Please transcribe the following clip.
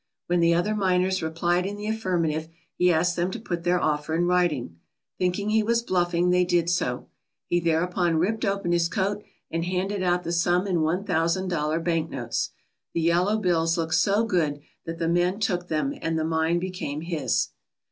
When the other miners replied in the affirmative, he asked them to put their offer in writing. Thinking he was bluffing, they 294 THE STORY OF KENNECOTT did so. He thereupon ripped open his coat and handed out the sum in one thousand dollar banknotes. The yellow bills looked so good that the men took them and the mine became his.